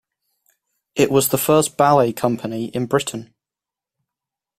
It was the first ballet company in Britain.